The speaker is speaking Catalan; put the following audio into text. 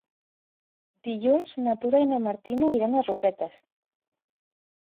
Dilluns na Tura i na Martina iran a Roquetes.